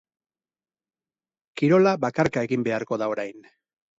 Kirola bakarka egin beharko da orain.